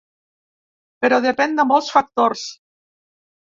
Però depèn de molts factors.